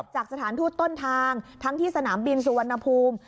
จากสถานทูตต้นทางทั้งที่สนามบินสุวรรณภูมิ